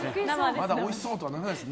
まだおいしそうとはならないです